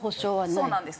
そうなんです。